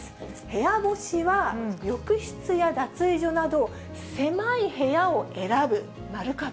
部屋干しは、浴室や脱衣所など、狭い部屋を選ぶ。